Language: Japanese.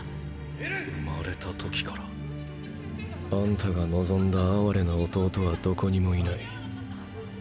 生まれた時から？あんたが望んだ哀れな弟はどこにもいない。